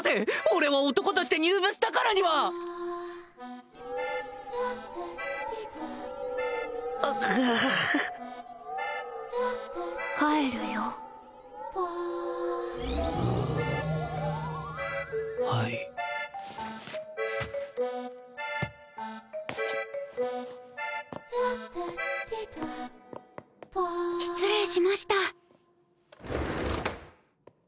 俺は男として入部したからには帰るよはい失礼しました